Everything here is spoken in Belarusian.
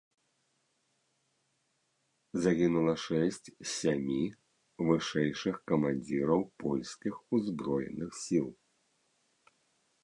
Загінула шэсць з сямі вышэйшых камандзіраў польскіх узброеных сіл.